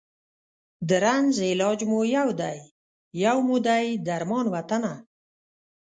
د رنځ علاج مو یو دی، یو مو دی درمان وطنه